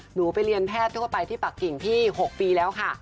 หนูไปเรียนแพทย์ทั่วไปที่ปากกิ่งที่๖ปีแล้วค่ะ